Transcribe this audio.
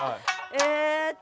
えっと。